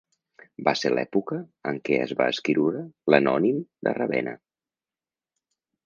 Va ser l"època en que es va escriure l"Anònim de Ravena.